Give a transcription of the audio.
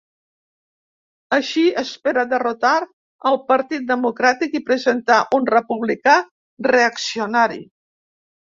Així, espera derrotar el Partit Democràtic i presentar un republicà reaccionari.